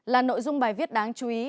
là nội dung bài viết đáng chú ý